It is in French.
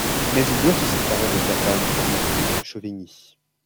Mais il doit se séparer de sa femme qui épouse Chauvigny.